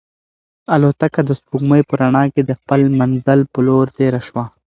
الوتکه د سپوږمۍ په رڼا کې د خپل منزل په لور تېره شوه.